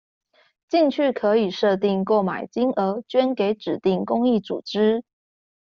進去可以設定購買金額捐給指定公益組織